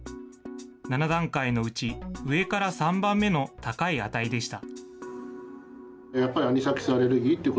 ７段階のうち、上から３番目の高い値でした。